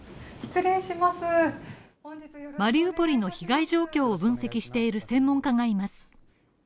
マリウポリの被害状況を分析している専門家がいます。